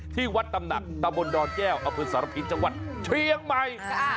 ที่วัดตำหนักตะบนดอนแก้วอำเภอสารพิษจังหวัดเชียงใหม่